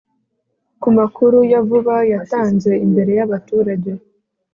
ku makuru ya vuba yatanze imbere y’ abaturage